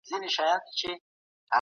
دولت جوړول اغېز لري.